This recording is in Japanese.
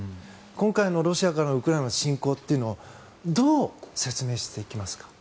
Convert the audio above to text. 今回のロシアからのウクライナへの侵攻というのをどう説明していきますか？